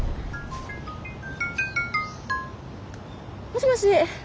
もしもし。